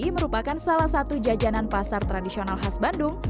merupakan salah satu jajanan pasar tradisional khas bandung